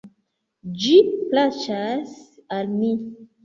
Ĝi plaĉas al mi.